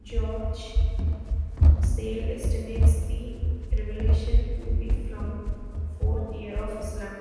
George Sale estimates the revelation to be from fourth year of Islam.